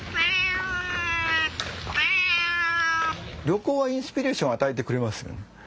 旅行はインスピレーションを与えてくれますよね。